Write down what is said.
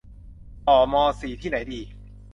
ต่อมอสี่ที่ไหนดี